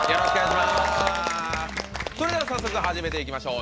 それでは早速、始めていきましょう。